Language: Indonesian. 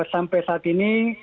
sampai saat ini